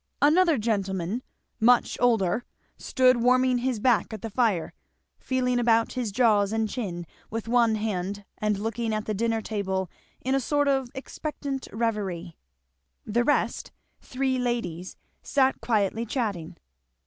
Another gentleman, much older, stood warming his back at the fire, feeling about his jaws and chin with one hand and looking at the dinner table in a sort of expectant reverie. The rest, three ladies, sat quietly chatting.